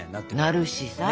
なるしさ。